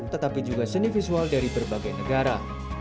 tetapi juga seni visual dari berbagai negara